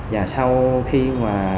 và sau khi mà